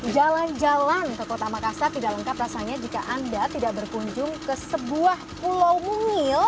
jalan jalan ke kota makassar tidak lengkap rasanya jika anda tidak berkunjung ke sebuah pulau mungil